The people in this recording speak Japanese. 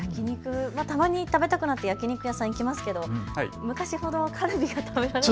たまに食べたくなって焼き肉屋さん、行きますが昔ほどカルビが食べられない。